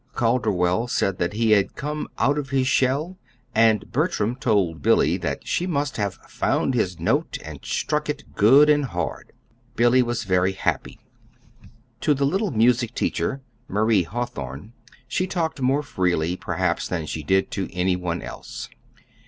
Calderwell said that he had come "out of his shell"; and Bertram told Billy that she must have "found his note and struck it good and hard." Billy was very happy. To the little music teacher, Marie Hawthorn, she talked more freely, perhaps, than she did to any one else.